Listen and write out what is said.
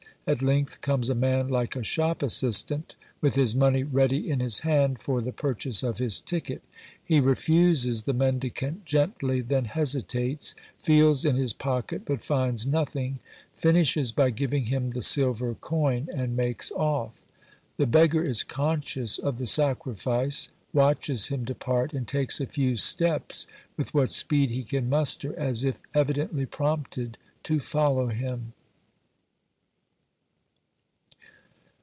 At length comes a man like a shop assistant, with his money ready in his hand for the purchase of his ticket ; he refuses the mendicant gently, then hesitates, feels in his pocket but finds nothing, finishes by giving him the silver coin, and makes off. The beggar is conscious of the sacrifice, watches him depart, and takes a few steps with what speed he can muster, as if evidently prompted to follow him.